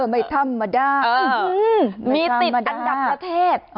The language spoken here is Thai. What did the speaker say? ไม่ธรรมดามีติดอันดับประเทศ